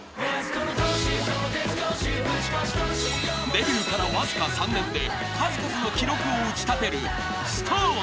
［デビューからわずか３年で数々の記録を打ち立てるＳｉｘＴＯＮＥＳ］